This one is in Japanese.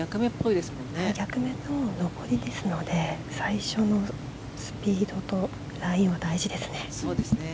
逆目の上りですので最初のスピードとラインはそうですね。